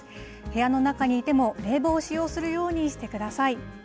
部屋の中にいても、冷房を使用するようにしてください。